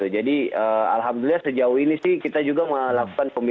jadi alhamdulillah sejauh ini sih kita juga melakukan pembinaan khotib